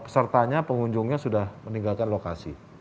pesertanya pengunjungnya sudah meninggalkan lokasi